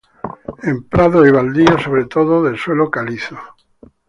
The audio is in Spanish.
En prados y baldíos sobre todo de suelo calizo.